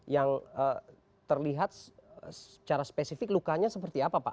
yang terlihat secara spesifik lukanya seperti apa pak